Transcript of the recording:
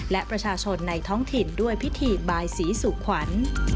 และประชาชนในท้องถิ่นด้วยพิธีบายศรีสุขวัญ